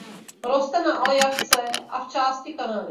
Roste na Aljašce a v části Kanady.